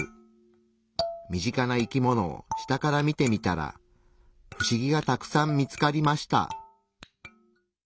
身近な生き物を下から見てみたらフシギがたくさん見つかりました。